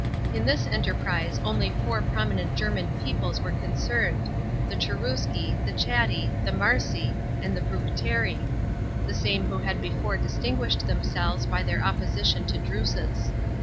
In this enterprise only four prominent German peoples were concerned, the Cherusci, the Chatti, the Marsi, and the Bructeri; the same who had before distinguished them selves by their opposition to Drusus.